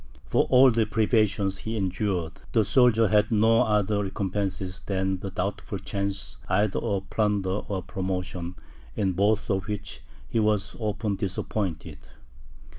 For all the privations he endured, the soldier had no other recompense than the doubtful chance either of plunder or promotion, in both of which he was often disappointed.